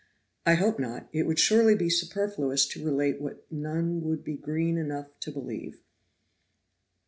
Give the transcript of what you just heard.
I hope not, it would surely be superfluous to relate what none would be green enough to believe.